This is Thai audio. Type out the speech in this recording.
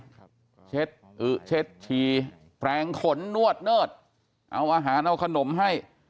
ออกกำลังกายเช็ดอึเช็ดชีแปลงขนนวดนวดเอาอาหารเอาขนมให้